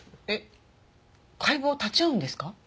えっ解剖立ち会うんですか？